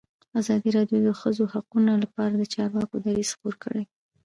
ازادي راډیو د د ښځو حقونه لپاره د چارواکو دریځ خپور کړی.